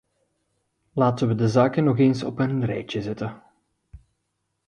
Laten wij de zaken nog eens op een rijtje zetten.